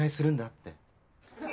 って。